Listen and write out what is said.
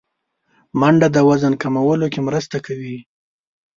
منډه د وزن کمولو کې مرسته کوي